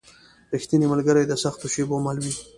رښتینی ملګری د سختو شېبو مل وي.